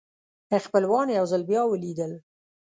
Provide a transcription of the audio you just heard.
خپلوان یو ځل بیا ولیدل.